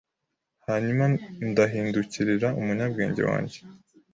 Hanyuma ndahindukirira umunyabwenge wanjye